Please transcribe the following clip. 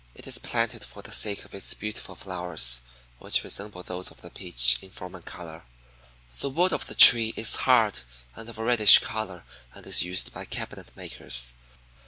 It is planted for the sake of its beautiful flowers, which resemble those of the peach in form and color. The wood of the tree is hard and of a reddish color, and is used by cabinet makers.